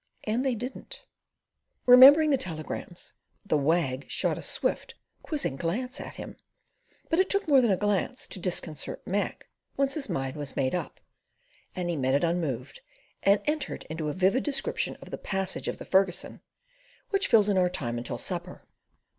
And they didn't. Remembering the telegrams, the Wag shot a swift quizzing glance at him; but it took more than a glance to disconcert Mac once his mind was made up, and he met it unmoved, and entered into a vivid description of the "passage of the Fergusson," which filled in our time until supper.